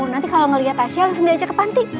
nanti kalo ngeliat tasya langsung dia ajak ke panting